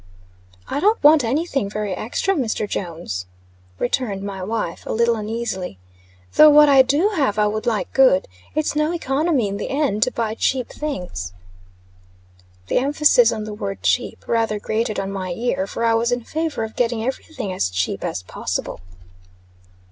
"I don't want any thing very extra, Mr. Jones," returned my wife, a little uneasily. "Though what I do have, I would like good. It's no economy, in the end, to buy cheap things." The emphasis on the word cheap, rather grated on my ear; for I was in favor of getting every thing as cheap as possible.